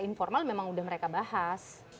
informal memang sudah mereka bahas